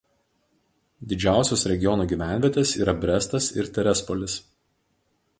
Didžiausios regiono gyvenvietės yra Brestas ir Terespolis.